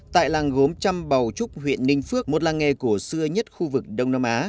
tại làng gốm trăm bào trúc huyện ninh phước một làng nghề cổ xưa nhất khu vực đông nam á